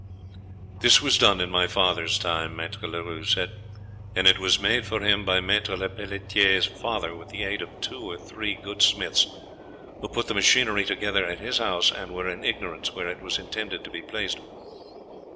"This was done in my father's time," Maître Leroux said, "and it was made for him by Maître Lepelletiere's father with the aid of two or three good smiths, who put the machinery together at his house and were in ignorance where it was intended to be placed."